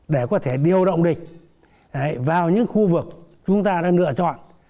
để có thể điều động địch vào những khu vực chúng ta đã lựa chọn